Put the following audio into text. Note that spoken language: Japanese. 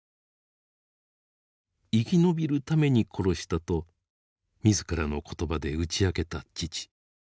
生き延びるために殺したと自らの言葉で打ち明けた父。